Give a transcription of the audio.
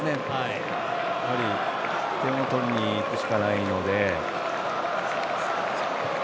やはり、点を取りにいくしかないので。